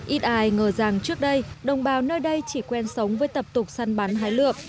ít ai ngờ rằng trước đây đồng bào nơi đây chỉ quen sống với tập tục săn bắn hái lượm